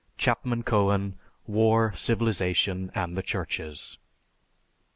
(_Chapman Cohen: "War, Civilization and the Churches."